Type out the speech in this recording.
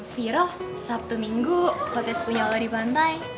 viro sabtu minggu kotej punya lo di pantai